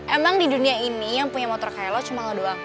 emang di dunia ini yang punya motor kayak lo cuma lo doang